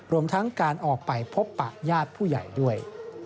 รวมทั้งการออกไปพบปะญาติผู้ใหญ่ด้วย